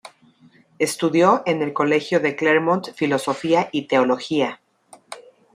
Estudió en el Colegio de Clermont filosofía y teología.